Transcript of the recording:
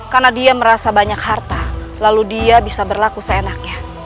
karena dia merasa banyak harta lalu dia bisa berlaku seenaknya